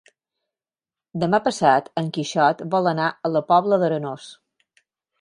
Demà passat en Quixot vol anar a la Pobla d'Arenós.